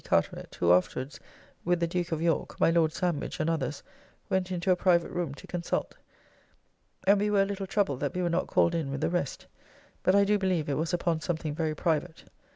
Carteret: who afterwards, with the Duke of York, my Lord Sandwich, and others, went into a private room to consult: and we were a little troubled that we were not called in with the rest. But I do believe it was upon something very private.